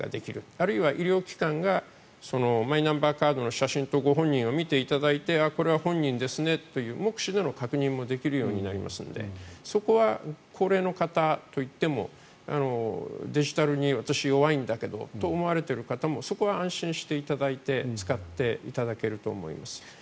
あるいは医療機関がマイナンバーカードの写真とご本人を見ていただいてこれは本人ですねという目視での確認もできるようになりますのでそこは高齢の方といってもデジタルに私、弱いんだけどと思われている方もそこは安心していただいて使っていただけると思います。